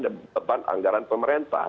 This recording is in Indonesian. dan beban anggaran pemerintah